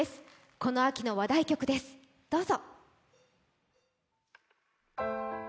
この秋の話題曲です、どうぞ。